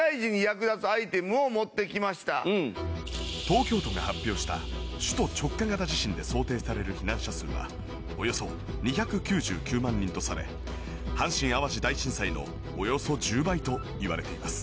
東京都が発表した首都直下型地震で想定される避難者数はおよそ２９９万人とされ阪神・淡路大震災のおよそ１０倍といわれています。